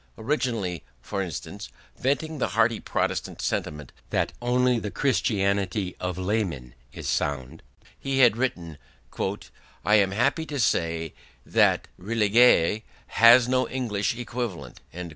Originally, for instance, venting the hearty Protestant sentiment that only the Christianity of laymen is sound, he had written: "I am happy to say that 'religieux' has no English equivalent".